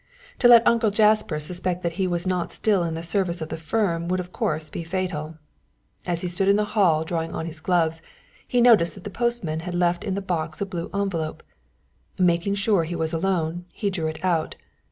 To let Uncle Jasper suspect that he was not still in the service of the firm would of course be fatal. As he stood in the hall drawing on his gloves he noticed that the postman had left in the box a blue envelope. Making sure he was alone, he drew it out.